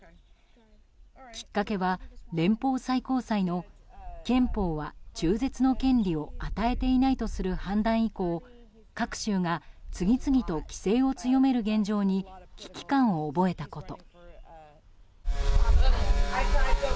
きっかけは連邦最高裁の憲法は中絶の権利を与えていないとする判断以降各州が次々と規制を強める現状に危機感を覚えたこと。